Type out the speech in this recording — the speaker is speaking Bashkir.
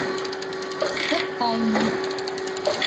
Сыҡҡайны.